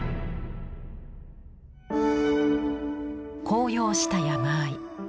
紅葉した山あい。